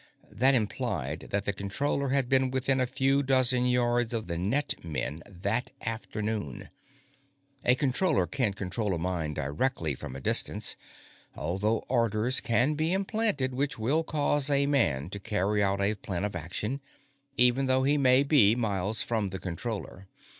That implied that the Controller had been within a few dozen yards of the net men that afternoon. A Controller can't control a mind directly from a distance, although orders can be implanted which will cause a man to carry out a plan of action, even though he may be miles from the Controller.